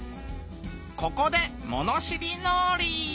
ここでものしりのぉり！